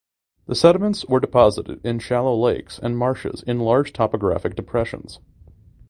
The sediments were deposited in shallow lakes and marshes in large topographic depressions.